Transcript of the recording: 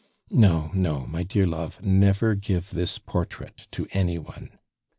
"No, no, my dear love, never give this portrait to any one!